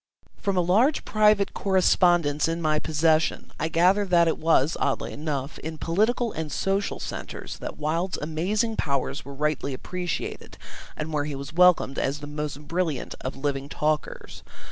From a large private correspondence in my possession I gather that it was, oddly enough, in political and social centres that Wilde's amazing powers were rightly appreciated and where he was welcomed as the most brilliant of living talkers.